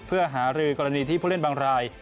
เพื่อหารือกรณีที่ผู้เล่นบางราย